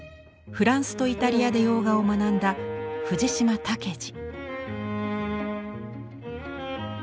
フランスとイタリアで洋画を学んだ藤島武二。